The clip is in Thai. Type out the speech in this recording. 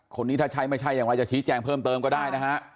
คนนี้ถ้าใช่ไม่ใช่อย่างไรจะชี้แจงเพิ่มเติมก็ได้นะฮะ